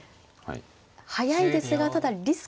速いですがただリスクも。